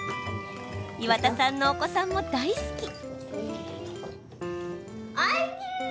岩田さんのお子さんも大好き。